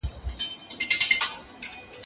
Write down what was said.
د راډیو اکټیو موادو ساتنه څنګه کیږي؟